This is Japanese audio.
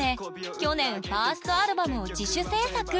去年ファーストアルバムを自主制作。